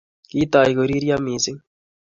Kitoy koriryo missing